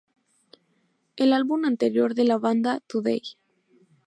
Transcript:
El álbum anterior de la banda, "Today!